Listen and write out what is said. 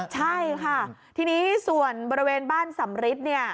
ใช่ค่ะทีนี้ส่วนบริเวณบ้านสำริทเนี่ย